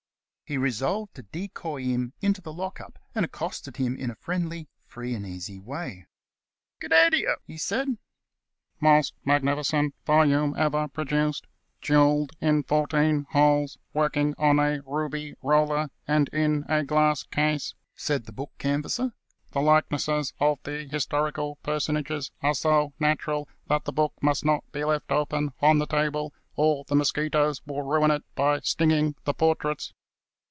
He resolved to decoy him into the lock up, and accosted him in a friendly, free and easy way. "Good day t'ye," he said. 29 The Cast iron Canvasser " most magnificent volume ever published, jewelled in fourteen holes, working on a ruby roller, and in a glass case," said the book canvasser, "The likenesses of the his torical personages are so natural that the book must not be left open on the table, or the mosquitoes will ruin it by stinging the portraits."